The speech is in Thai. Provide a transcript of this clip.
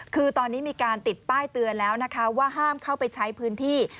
คือตอนนี้มีการติดป้ายเตือนแล้วนะคะว่าห้ามเข้าไปใช้พื้นที่